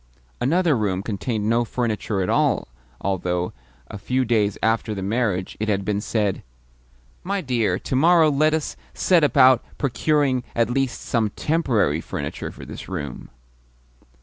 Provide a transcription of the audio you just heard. Another room contained no furniture at all, although, a few days after the marriage, it had been said: "My dear, to morrow let us set about procuring at least some TEMPORARY furniture for this room."